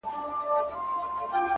وځم له كوره له اولاده شپې نه كوم.